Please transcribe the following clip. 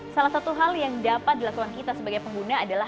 salah satu hal yang dapat dilakukan kita sebagai pengguna adalah